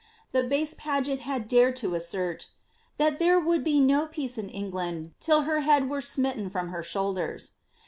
The base Paget had dared to assert, *^ that there would be no peace for England till her head were smitten from her shoulders.